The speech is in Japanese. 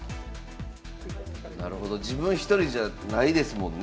なるほど自分一人じゃないですもんね。